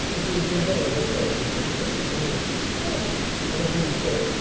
私いきたいわよ。